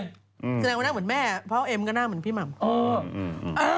แสดงว่าหน้าเหมือนแม่เพราะเอ็มก็หน้าเหมือนพี่หม่ำ